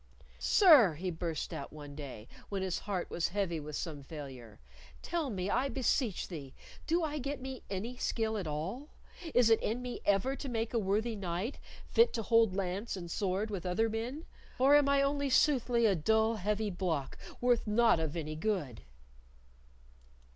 "Sir," he burst out one day, when his heart was heavy with some failure, "tell me, I beseech thee, do I get me any of skill at all? Is it in me ever to make a worthy knight, fit to hold lance and sword with other men, or am I only soothly a dull heavy block, worth naught of any good?"